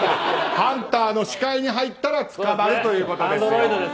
ハンターの視界に入ったら捕まるということです。